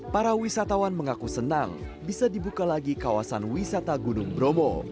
para wisatawan mengaku senang bisa dibuka lagi kawasan wisata gunung bromo